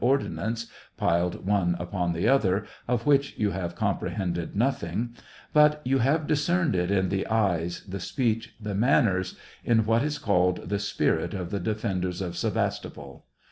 33 ordnance, piled one upon the other, of which you have comprehended nothing ; but you have discerned it in the eyes, the speech, the man ners, in what is called the spirit of the defen ders of Sevastopol.